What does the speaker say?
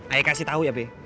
ayo kasih tahu ya be